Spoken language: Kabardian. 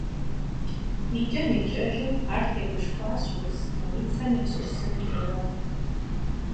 ИкӀэм-икӀэжым ар тегушхуащ урыс станицэхэм ящыщ зым теуэну.